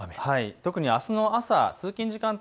特にあすの朝、通勤時間帯